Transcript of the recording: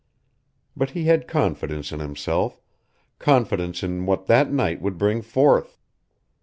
But he had confidence in himself, confidence in what that night would bring forth.